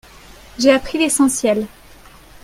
J'ai appris l'essentiel.